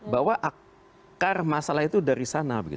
bahwa akar masalah itu dari sana